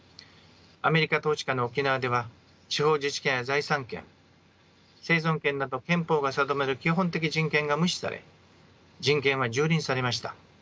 アメリカ統治下の沖縄では地方自治権や財産権生存権など憲法が定める基本的人権が無視され人権は蹂躙されました。